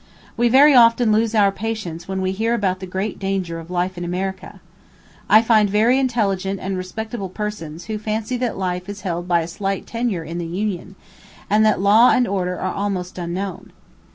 We very often lose our patience when we hear about the great danger of life in America. I find very intelligent and respectable persons who fancy that life is held by a slight tenure in the Union, and that law and order are almost unknown.